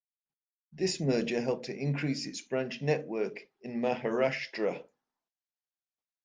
This merger helped it increase its branch network in Maharashtra.